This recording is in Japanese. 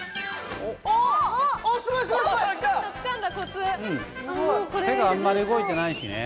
手があんまり動いてないしね。